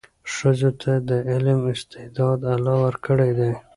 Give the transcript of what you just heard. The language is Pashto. ښځو ته د علم استعداد الله ورکړی دی.